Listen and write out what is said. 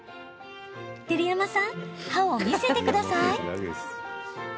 照山さん、歯を見せてください。